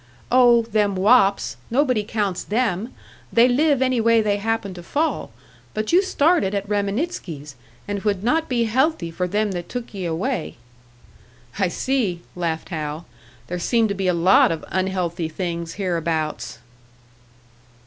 "Oh! Them wops! Nobody counts them they live any way they happen to fall. But you started at Reminitsky's, and 't would not be healthy for them that took ye away." "I see," laughed Hal. "There seem to be a lot of unhealthy things hereabouts."